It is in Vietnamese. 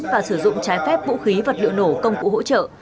và sử dụng trái phép vũ khí vật liệu nổ công cụ hỗ trợ